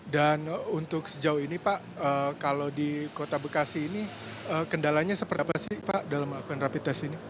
dan untuk sejauh ini pak kalau di kota bekasi ini kendalanya seperti apa sih pak dalam melakukan rapid test ini